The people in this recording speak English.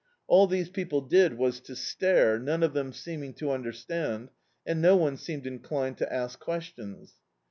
All these people did was to stare, none of them seeming to understand, and no one seemed inclined to ask questions.